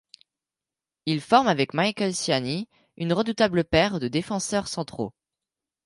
Il forme avec Mickaël Ciani une redoutable paire de défenseurs centraux.